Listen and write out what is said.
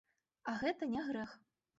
А гэта не грэх.